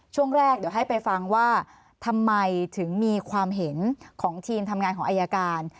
ช่วงแรกเดี๋ยวให้ไปฟังว่าทำไมถึงมีความเห็นของทีมทำงานของอายการ